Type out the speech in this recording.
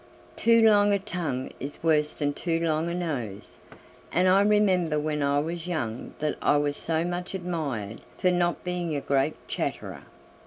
Too long a tongue is worse than too long a nose, and I remember when I was young that I was so much admired for not being a great chatterer.